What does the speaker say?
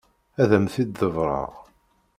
Ad am-t-id-ḍebbreɣ.